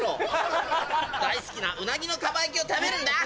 大好きなうなぎのかば焼きを食べるんだ！